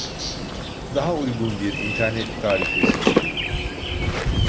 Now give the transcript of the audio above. Daha uygun bir internet tarifesi istiyoruz